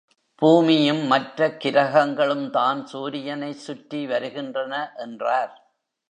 பூமியும் மற்ற கிரகங்களும் தான் சூரியனைச் சுற்றி வருகின்றன என்றார்.